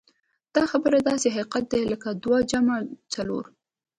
دا خبره داسې حقيقت دی لکه دوه جمع دوه څلور.